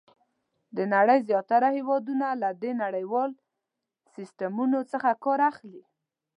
د نړۍ زیاتره هېوادونه له دې نړیوال سیسټمونو څخه کار اخلي.